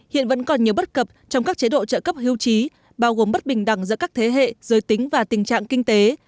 hiện vẫn còn nhiều bất cập trong các chế độ trợ cấp hưu trí bao gồm bất bình đẳng giữa các thế hệ giới tính và tình trạng kinh tế